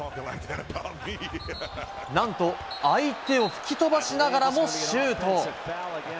何と、相手を吹き飛ばしながらもシュート！